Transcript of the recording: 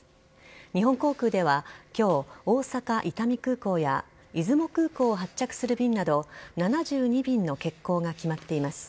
日本航空ではきょう、大阪・伊丹空港や出雲空港を発着する便など７２便の欠航が決まっています。